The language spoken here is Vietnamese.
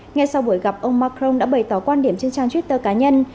ngay sau buổi gặp ông macron đã bày tỏ quan điểm trên trang twitter cá nhân